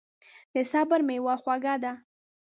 د صبر میوه خوږه ده.